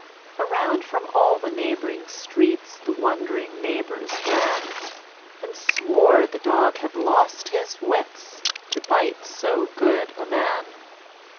Around from all the neighboring streets The wond'ring neighbors ran, And swore the dog had lost his wits, To bite so good a man.